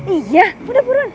iya udah turun